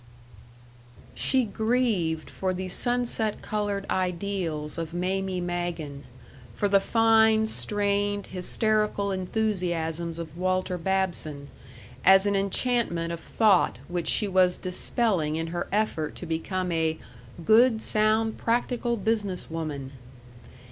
She grieved for the sunset colored ideals of Mamie Magen, for the fine, strained, hysterical enthusiasms of Walter Babson, as an enchantment of thought which she was dispelling in her effort to become a "good, sound, practical business woman."